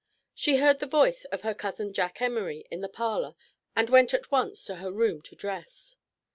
She heard the voice of her cousin Jack Emory in the parlor and went at once to her room to dress.